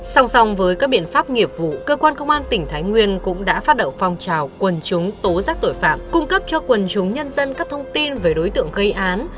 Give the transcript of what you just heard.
song song với các biện pháp nghiệp vụ cơ quan công an tỉnh thái nguyên cũng đã phát động phong trào quần chúng tố giác tội phạm cung cấp cho quần chúng nhân dân các thông tin về đối tượng gây án